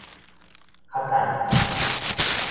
較等咧